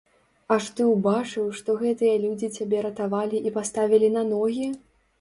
Аж ты ўбачыў, што гэтыя людзі цябе ратавалі і паставілі на ногі?